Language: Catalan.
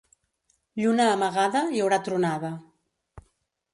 Lluna amagada, hi haurà tronada.